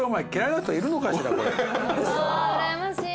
うらやましい。